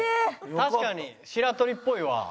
確かに白鳥っぽいわ。